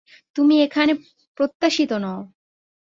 তুমি এখানে প্রত্যাশিত নও।